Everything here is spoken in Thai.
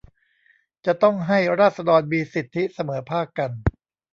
จะต้องให้ราษฎรมีสิทธิเสมอภาคกัน